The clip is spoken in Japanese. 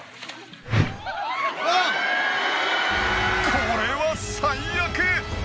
これは最悪！